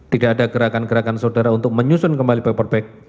tidak ada gerakan gerakan saudara untuk menyusun kembali paper bag